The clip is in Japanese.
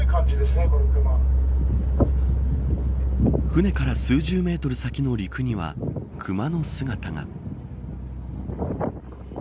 船から数十メートル先の陸には熊の姿が。